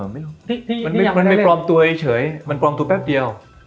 ไม่รู้มันไม่ปลอมตัวเฉยมันปลอมตัวแป๊บเดียว